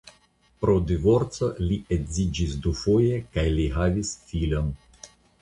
Pro divorco li edziĝis dufoje kaj li havis filon.